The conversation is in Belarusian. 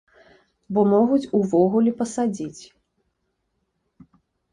Бо могуць увогуле пасадзіць.